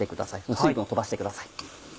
水分を飛ばしてください。